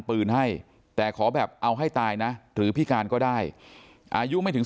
ปืนให้แต่ขอแบบเอาให้ตายนะหรือพิการก็ได้อายุไม่ถึง